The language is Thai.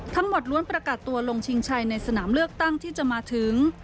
ล้วนประกาศตัวลงชิงชัยในสนามเลือกตั้งที่จะมาถึง